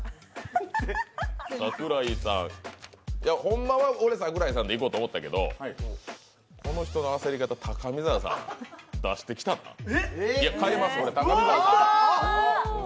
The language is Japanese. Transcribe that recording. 桜井さん、ホンマは俺桜井さんでいこうと思ったけどこの人の焦り方、高見沢さん出してきたいや変えます、俺は高見沢さん。